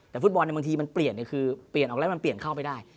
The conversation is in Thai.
แต่ฟุตบอลบางทีมันเปลี่ยนคือเปลี่ยนออกแล้วมันเปลี่ยนเข้าไปได้